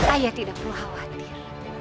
ayah tidak perlu khawatir